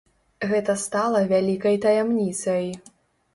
Гэта стала вялікай таямніцай.